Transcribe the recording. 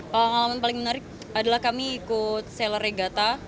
pengalaman paling menarik adalah kami ikut sailor regatta